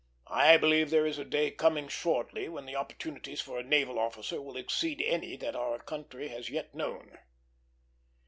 I believe there is a day coming shortly when the opportunities for a naval officer will exceed any that our country has yet known."